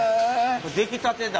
出来たてだ。